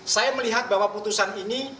saya melihat bahwa putusan ini